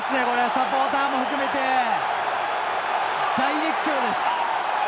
サポーターも含めて大熱狂です。